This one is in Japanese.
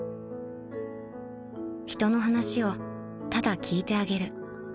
［人の話をただ聞いてあげる］